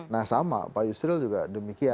nah sama pak yusril juga demikian